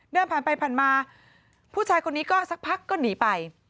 เดินผ่านไปผ่านมาผู้ชายคนนี้ก็สักพักก็หนีไป